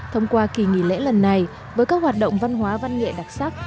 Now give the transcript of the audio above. thông qua kỳ nghỉ lễ lần này với các hoạt động văn hóa văn nghệ đặc sắc